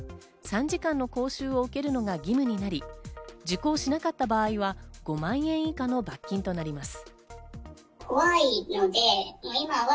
３時間の講習を受けるのが義務になり、受講しなかった場合は５万円以下の罰金となります。